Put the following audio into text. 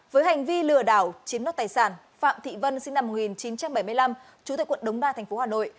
với hành vi lừa đảo chiếm đoạt tài sản phạm thị vân sinh năm một nghìn chín trăm bảy mươi năm chú tại quận đống đa tp hà nội